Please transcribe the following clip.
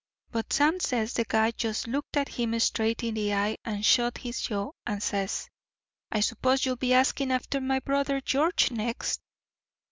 "But Sam says the guy just looked him straight in the eye and shut his jaw, and says: 'I suppose you'll be asking after my brother George next?'